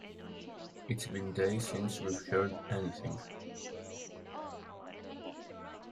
It's been days since we've heard anything.